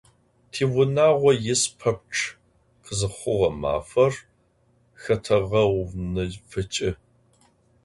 Tiunağo yis pepçç khızıxhuğe mafer xeteğeunefıç'ı.